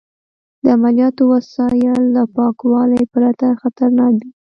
د عملیاتو وسایل له پاکوالي پرته خطرناک دي.